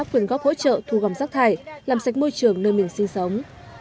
quyền góp hỗ trợ thu gom rác thải làm sạch môi trường nơi mình sinh sống